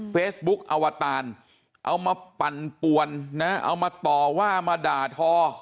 เฟซบุ๊คอวตารเอามาปั่นปวนนะเอามาต่อว่ามาด่าทอ